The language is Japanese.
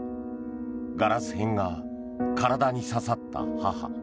ガラス片が体に刺さった母。